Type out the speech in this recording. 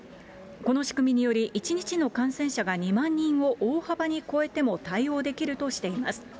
この仕組みにより、１日の感染者が２万人を大幅に超えても対応できるとしています。